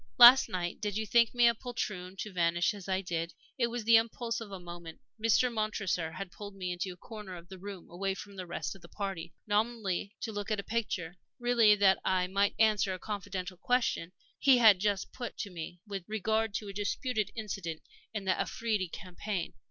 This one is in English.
"Last night did you think me a poltroon to vanish as I did? It was the impulse of a moment. Mr. Montresor had pulled me into a corner of the room, away from the rest of the party, nominally to look at a picture, really that I might answer a confidential question he had just put to me with regard to a disputed incident in the Afridi campaign.